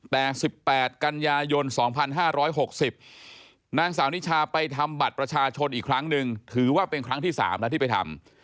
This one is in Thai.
แต่๑๘กันยายน๒๕๖๐นางสาวนิชาไปทำบัตรประชาชนอีกครั้งหนึ่งถือว่าเป็นครั้งที่๓แล้วที่ไปทำ